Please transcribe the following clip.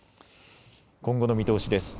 今後の見通しです。